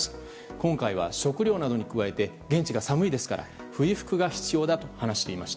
今回は食糧難に加えて現地が寒いですから冬服が必要だと話していました。